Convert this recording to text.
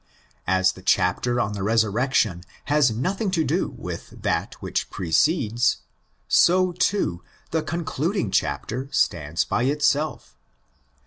As the chapter on the resurrection has nothing to do with that which precedes, so, too, the concluding chapter stands by itself.